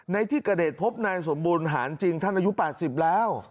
ในที่เกิดเหตุพบนายสมบูรณหารจริงท่านอายุ๘๐แล้ว